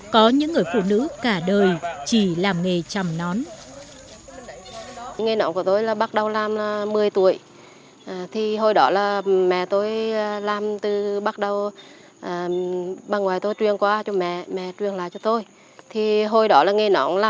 có những người phụ nữ cả đời chỉ làm nghề chầm nón